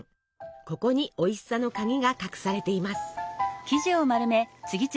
ここにおいしさの鍵が隠されています。